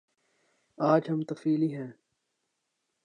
آج ہم طفیلی ہیں۔